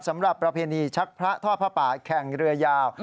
สำหรับประเภณีชักพระท่อพระปาแข่งเรือยาว